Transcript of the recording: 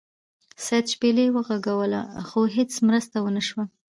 سید شپیلۍ وغږوله خو هیڅ مرسته ونه شوه.